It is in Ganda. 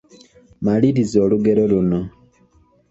Maliriza olugero luno.